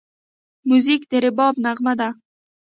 موزیک د رباب نغمه ده.